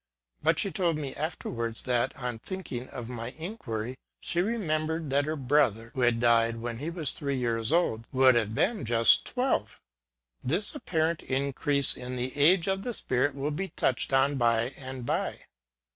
But she. told me after wards that, on thinking of wy inquiry, she re membered that her brother, who had died when he was three years old, would have been just twelve. F 82 THE SEERESS OF PREVORST. This apparent increase in the age of the spirit will be touched on by and by.